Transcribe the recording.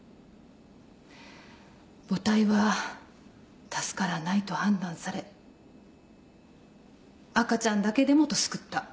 母体は助からないと判断され赤ちゃんだけでもと救った。